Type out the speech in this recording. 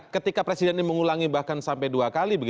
ketika presiden ini mengulangi bahkan sampai dua kali